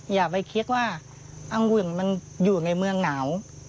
อย่าไปคิดว่าอังุ่นมันอยู่ในเมืองหนาว